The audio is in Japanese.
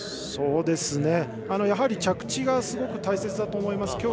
やはり着地がすごく大切だと思います。